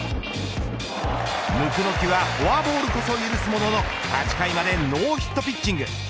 椋木はフォアボールこそ許すものの８回までノーヒットピッチング。